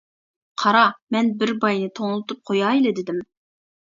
قارا، مەن بىر باينى توڭلىتىپ قويايلا دېدىم!